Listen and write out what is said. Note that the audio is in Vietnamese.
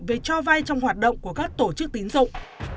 với cho vai trong hoạt động của các tổ chức tín dụng